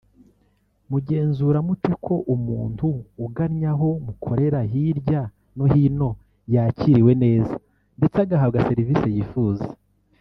Mugenzura mute ko umuntu ugannye aho mukorera hirya no hino yakiriwe neza ndetse agahabwa serivisi yifuza